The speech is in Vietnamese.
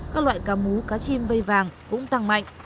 các loại cá mú cá chim vây vàng cũng tăng mạnh